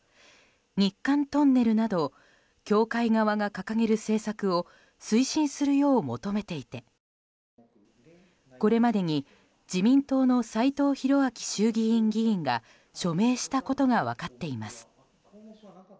日韓トンネルなど教会側が掲げる政策を推進するよう求めていてこれまでに、自民党の斎藤洋明衆議院議員が署名したことが分かっています。